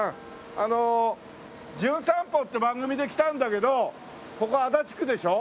あの『じゅん散歩』って番組で来たんだけどここ足立区でしょ？